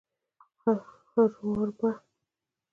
هروار به